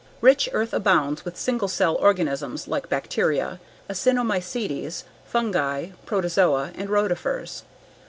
Rich earth abounds with single cell organisms like bacteria, actinomycetes, fungi, protozoa, and rotifers.